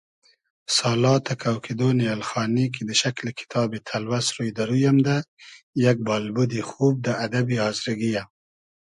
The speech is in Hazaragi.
سالا تئکۆ کیدۉن اېلخانی کی دۂ شئکلی کیتابی تئلوئس روی دۂ روی امدۂ، یئگ بالبودی خوب دۂ ادئبی آزرگی یۂ